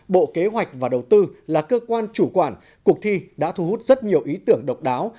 bộ kế hoạch và đầu tư là cơ quan chủ quản cuộc thi đã thu hút rất nhiều ý tưởng độc đáo